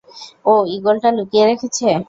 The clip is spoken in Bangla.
ও ঈগলটা লুকিয়ে রেখেছে!